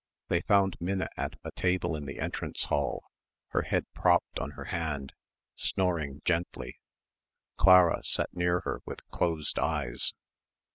They found Minna at a table in the entrance hall her head propped on her hand, snoring gently. Clara sat near her with closed eyes.